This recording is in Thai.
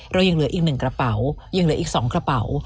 เรายังเหลืออีก๑กระเป๋ายังเหลืออีก๒กระเป๋า